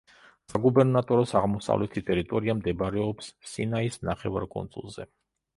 საგუბერნატოროს აღმოსავლეთი ტერიტორია მდებარეობს სინაის ნახევარკუნძულზე.